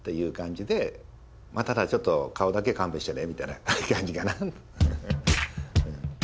ただちょっと顔だけは勘弁してねみたいな感じかな。